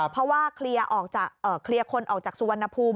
เพราะว่าเคลียร์คนออกจากสุวรรณภูมิ